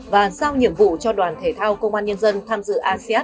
và sao nhiệm vụ cho đoàn thể thao công an nhân dân tham dự asean một mươi chín